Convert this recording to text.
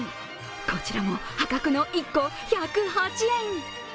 こちらも破格の１個１０８円。